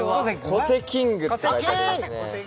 コセキングって書いてありますね。